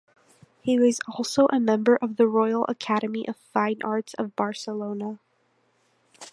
He was also a member of the Royal Academy of Fine Arts of Barcelona.